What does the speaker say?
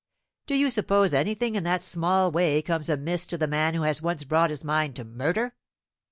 Do you suppose anything in that small way comes amiss to the man who has once brought his mind to murder?